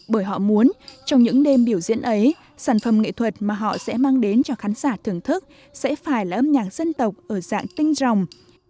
bởi họ muốn trong những đêm biểu diễn ấy sản phẩm nghệ thuật mà họ sẽ mang đến cho khán giả thưởng thức sẽ phải là âm nhạc dân tộc ở dạng kinh rồng